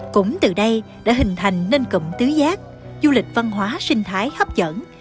cũng từ đây đã hình thành nên cụm tứ giác du lịch văn hóa sinh thái hấp dẫn